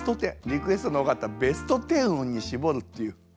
リクエストの多かったベスト１０に絞るっていう。